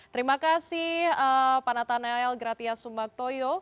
terima kasih pak nathaniel gratias sumbactoyo